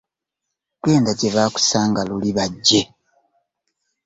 Genda gye baakusanga luli bajje.